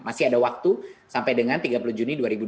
masih ada waktu sampai dengan tiga puluh juni dua ribu dua puluh